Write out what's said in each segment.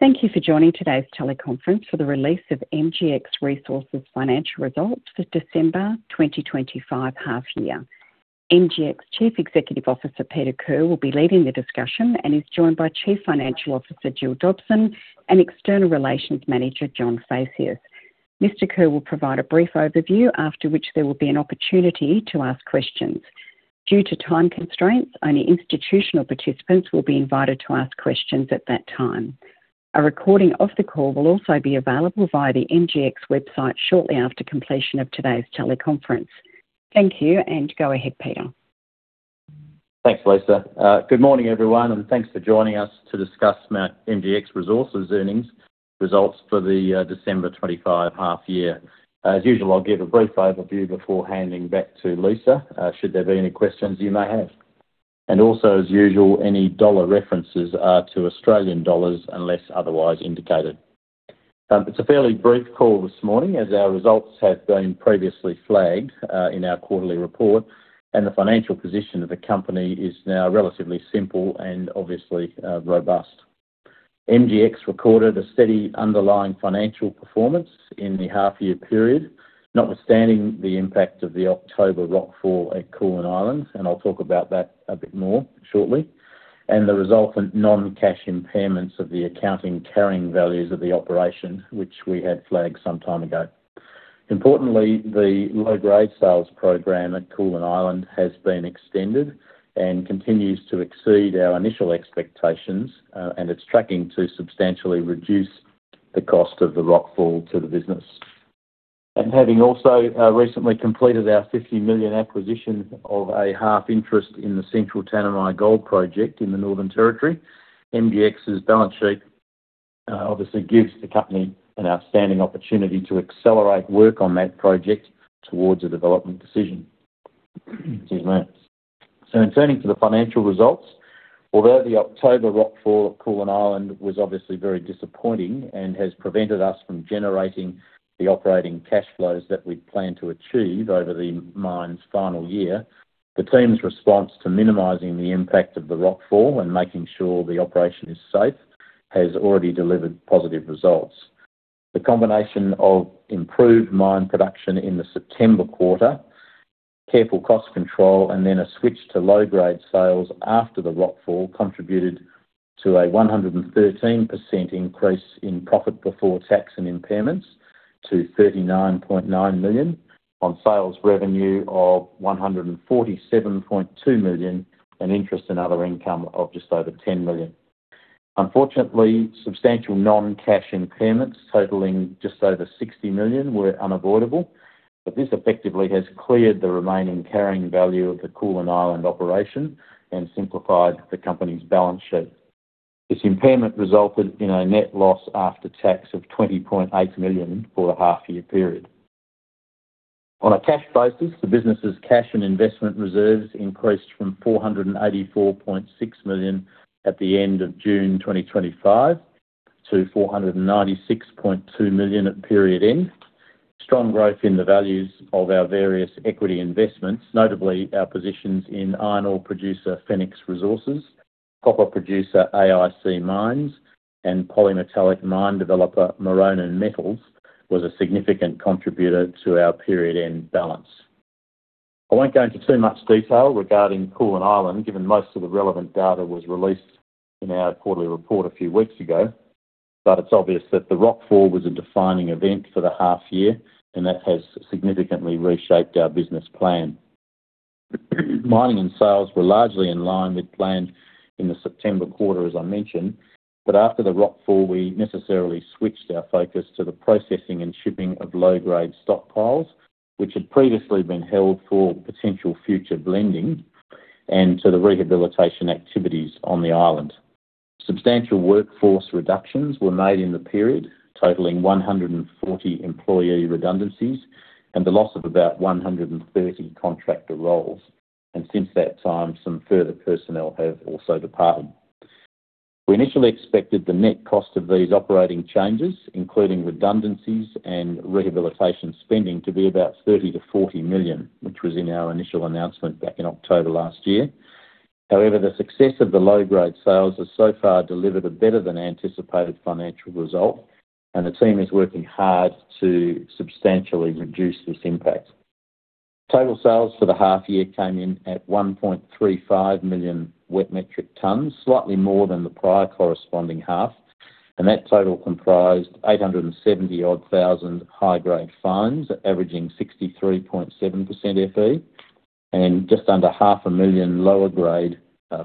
Thank you for joining today's teleconference for the release of MGX Resources Financial Results for December 2025 Half Year. MGX Chief Executive Officer, Peter Kerr, will be leading the discussion and is joined by Chief Financial Officer, Gillian Dobson, and External Relations Manager, John Phaceas. Mr. Kerr will provide a brief overview, after which there will be an opportunity to ask questions. Due to time constraints, only institutional participants will be invited to ask questions at that time. A recording of the call will also be available via the MGX website shortly after completion of today's teleconference. Thank you, and go ahead, Peter. Thanks, Lisa. Good morning, everyone, and thanks for joining us to discuss about MGX Resources earnings results for the December 2025 half year. As usual, I'll give a brief overview before handing back to Lisa, should there be any questions you may have. And also, as usual, any dollar references are to Australian dollars unless otherwise indicated. It's a fairly brief call this morning, as our results have been previously flagged in our quarterly report, and the financial position of the company is now relatively simple and obviously robust. MGX recorded a steady underlying financial performance in the half year period, notwithstanding the impact of the October rockfall at Koolan Island, and I'll talk about that a bit more shortly. And the resultant non-cash impairments of the accounting carrying values of the operation, which we had flagged some time ago. Importantly, the low-grade sales program at Koolan Island has been extended and continues to exceed our initial expectations, and it's tracking to substantially reduce the cost of the rockfall to the business. Having also recently completed our $50 million acquisition of a half interest in the Central Tanami Gold Project in the Northern Territory, MGX's balance sheet obviously gives the company an outstanding opportunity to accelerate work on that project towards a development decision. Excuse me. In turning to the financial results, although the October rockfall at Koolan Island was obviously very disappointing and has prevented us from generating the operating cash flows that we'd planned to achieve over the mine's final year, the team's response to minimizing the impact of the rockfall and making sure the operation is safe has already delivered positive results. The combination of improved mine production in the September quarter, careful cost control, and then a switch to low-grade sales after the rockfall, contributed to a 113% increase in profit before tax and impairments to 39.9 million, on sales revenue of 147.2 million, and interest in other income of just over 10 million. Unfortunately, substantial non-cash impairments totaling just over 60 million were unavoidable, but this effectively has cleared the remaining carrying value of the Koolan Island operation and simplified the company's balance sheet. This impairment resulted in a net loss after tax of 20.8 million for the half year period. On a cash basis, the business's cash and investment reserves increased from 484.6 million at the end of June 2025 to 496.2 million at period end. Strong growth in the values of our various equity investments, notably our positions in iron ore producer, Fenix Resources, copper producer, AIC Mines, and polymetallic mine developer, Musgrave Minerals, was a significant contributor to our period-end balance. I won't go into too much detail regarding Koolan Island, given most of the relevant data was released in our quarterly report a few weeks ago, but it's obvious that the rockfall was a defining event for the half year, and that has significantly reshaped our business plan. Mining and sales were largely in line with planned in the September quarter, as I mentioned, but after the rockfall, we necessarily switched our focus to the processing and shipping of low-grade stockpiles, which had previously been held for potential future blending and to the rehabilitation activities on the island. Substantial workforce reductions were made in the period, totaling 140 employee redundancies and the loss of about 130 contractor roles, and since that time, some further personnel have also departed. We initially expected the net cost of these operating changes, including redundancies and rehabilitation spending, to be about 30-40 million, which was in our initial announcement back in October last year. However, the success of the low-grade sales has so far delivered a better-than-anticipated financial result, and the team is working hard to substantially reduce this impact. Total sales for the half year came in at 1.35 million wet metric tons, slightly more than the prior corresponding half, and that total comprised 870-odd thousand high-grade fines, averaging 63.7% Fe, and just under 500,000 lower grade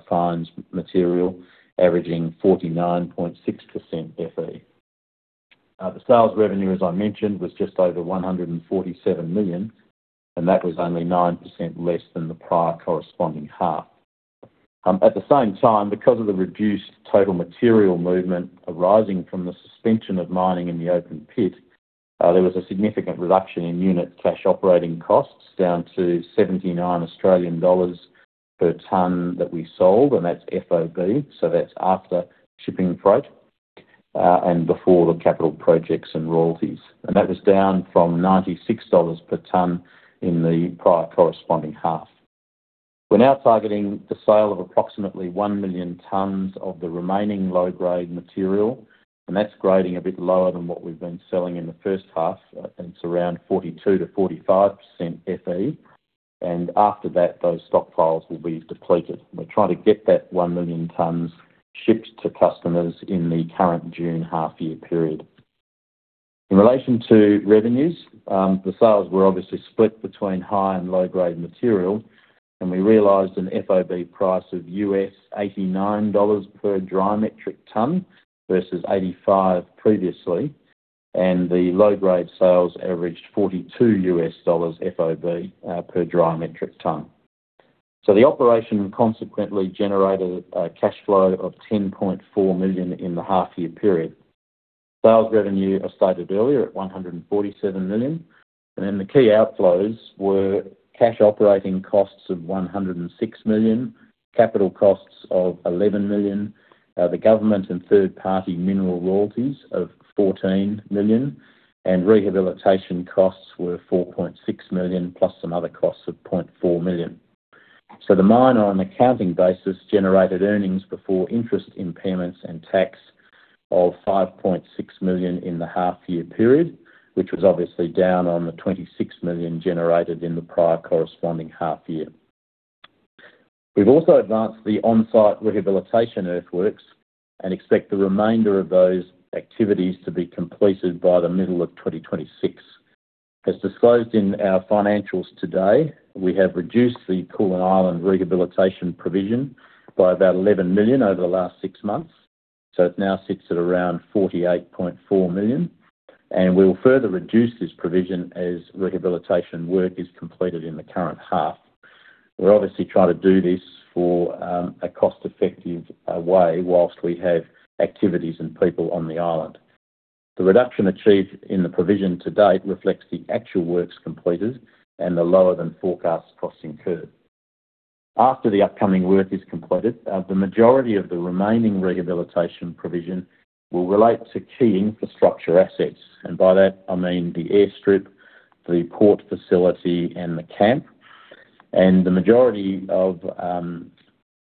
fines material, averaging 49.6% Fe. The sales revenue, as I mentioned, was just over 147 million, and that was only 9% less than the prior corresponding half. At the same time, because of the reduced total material movement arising from the suspension of mining in the open pit, there was a significant reduction in unit cash operating costs, down to 79 Australian dollars per ton that we sold, and that's FOB, so that's after shipping freight, and before the capital projects and royalties. That was down from $96 per ton in the prior corresponding half. We're now targeting the sale of approximately 1 million tons of the remaining low-grade material, and that's grading a bit lower than what we've been selling in the first half. It's around 42%-45% Fe, and after that, those stockpiles will be depleted. We're trying to get that 1 million tons shipped to customers in the current June half year period. In relation to revenues, the sales were obviously split between high and low-grade material, and we realized an FOB price of $89 per dry metric ton versus $85 previously, and the low-grade sales averaged $42 FOB per dry metric ton. The operation consequently generated a cash flow of 10.4 million in the half year period. Sales revenue, I stated earlier, at 147 million, and then the key outflows were cash operating costs of 106 million, capital costs of 11 million, the government and third-party mineral royalties of 14 million, and rehabilitation costs were 4.6 million, plus some other costs of 0.4 million. So the mine, on an accounting basis, generated earnings before interest, impairments, and tax of 5.6 million in the half year period, which was obviously down on the 26 million generated in the prior corresponding half year. We've also advanced the on-site rehabilitation earthworks and expect the remainder of those activities to be completed by the middle of 2026. As disclosed in our financials today, we have reduced the Koolan Island rehabilitation provision by about 11 million over the last six months, so it now sits at around 48.4 million, and we will further reduce this provision as rehabilitation work is completed in the current half. We're obviously trying to do this for a cost-effective way while we have activities and people on the island. The reduction achieved in the provision to date reflects the actual works completed and the lower than forecast costs incurred. After the upcoming work is completed, the majority of the remaining rehabilitation provision will relate to key infrastructure assets, and by that I mean the airstrip, the port facility, and the camp. The majority of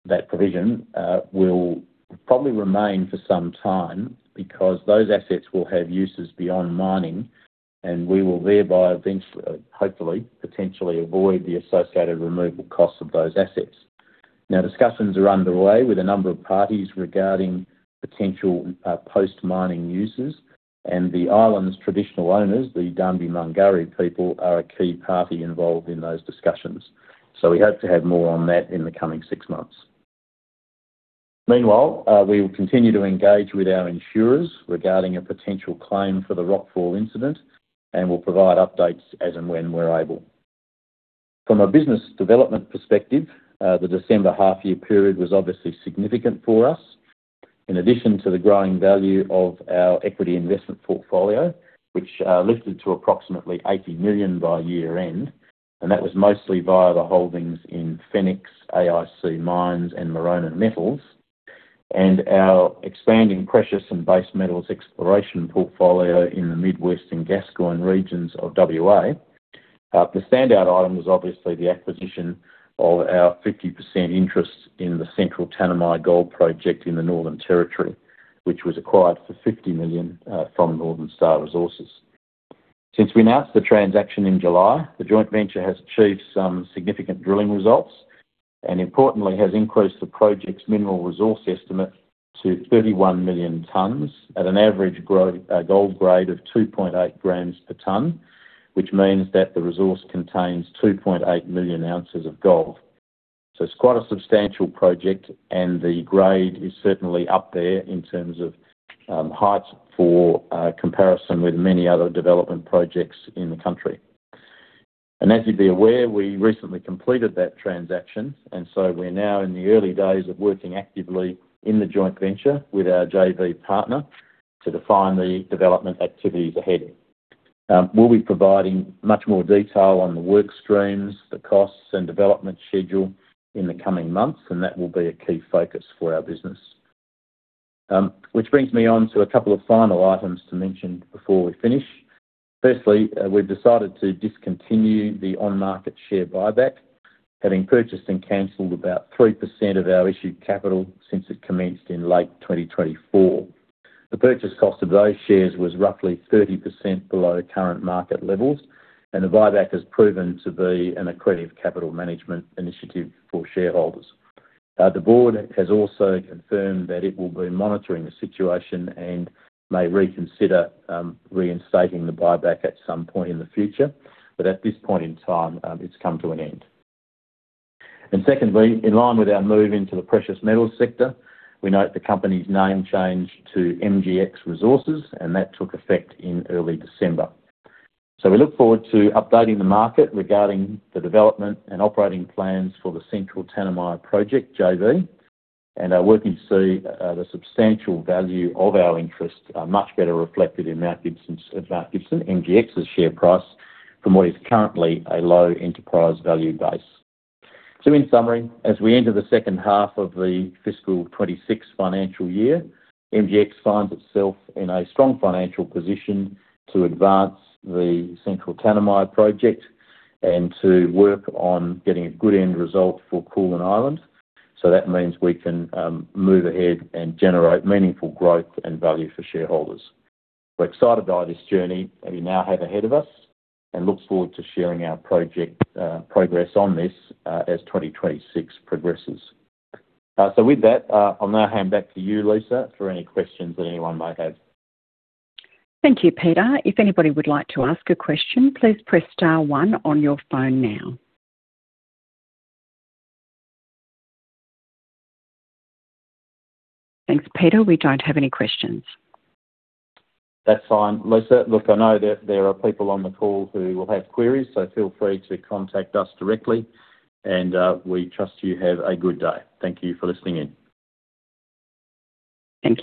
that provision will probably remain for some time because those assets will have uses beyond mining, and we will thereby eventually, hopefully, potentially avoid the associated removal costs of those assets. Now, discussions are underway with a number of parties regarding potential post-mining uses, and the island's traditional owners, the Dambimangari people, are a key party involved in those discussions. So we hope to have more on that in the coming six months. Meanwhile, we will continue to engage with our insurers regarding a potential claim for the rockfall incident, and we'll provide updates as and when we're able. From a business development perspective, the December half year period was obviously significant for us. In addition to the growing value of our equity investment portfolio, which lifted to approximately 80 million by year-end, and that was mostly via the holdings in Fenix Resources, AIC Mines, and Musgrave Minerals, and our expanding precious and base metals exploration portfolio in the Mid-West and Gascoyne regions of WA. The standout item was obviously the acquisition of our 50% interest in the Central Tanami Gold Project in the Northern Territory, which was acquired for 50 million from Northern Star Resources. Since we announced the transaction in July, the joint venture has achieved some significant drilling results and importantly, has increased the project's mineral resource estimate to 31 million tons at an average gold grade of 2.8 grams per ton, which means that the resource contains 2.8 million ounces of gold. So it's quite a substantial project, and the grade is certainly up there in terms of heights for comparison with many other development projects in the country. And as you'd be aware, we recently completed that transaction, and so we're now in the early days of working actively in the joint venture with our JV partner to define the development activities ahead. We'll be providing much more detail on the work streams, the costs, and development schedule in the coming months, and that will be a key focus for our business. Which brings me on to a couple of final items to mention before we finish. Firstly, we've decided to discontinue the on-market share buyback, having purchased and canceled about 3% of our issued capital since it commenced in late 2024. The purchase cost of those shares was roughly 30% below current market levels, and the buyback has proven to be an accretive capital management initiative for shareholders. The board has also confirmed that it will be monitoring the situation and may reconsider reinstating the buyback at some point in the future, but at this point in time, it's come to an end. And secondly, in line with our move into the precious metals sector, we note the company's name change to MGX Resources, and that took effect in early December. So we look forward to updating the market regarding the development and operating plans for the Central Tanami Project JV and are working to see the substantial value of our interest much better reflected in Mount Gibson, Mount Gibson, MGX's share price from what is currently a low enterprise value base. So in summary, as we enter the second half of the fiscal 2026 financial year, MGX finds itself in a strong financial position to advance the Central Tanami project and to work on getting a good end result for Koolan Island. So that means we can move ahead and generate meaningful growth and value for shareholders. We're excited by this journey that we now have ahead of us and look forward to sharing our project progress on this as 2026 progresses. So with that, I'll now hand back to you, Lisa, for any questions that anyone may have. Thank you, Peter. If anybody would like to ask a question, please press star one on your phone now. Thanks, Peter. We don't have any questions. That's fine, Lisa. Look, I know that there are people on the call who will have queries, so feel free to contact us directly, and we trust you have a good day. Thank you for listening in.